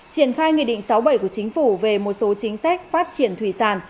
triển khai nghị định sáu bảy của chính phủ về một số chính sách phát triển thủy sản